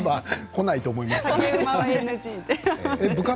こないと思いますけどね。